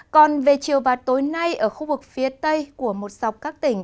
còn về chiều và tối nay ở khu vực phía tây của một dọc các tỉnh